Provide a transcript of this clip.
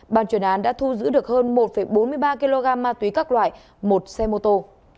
ban chuyên án đã thu giữ được hơn một bốn mươi ba kg ma túy các loại một xe mô tô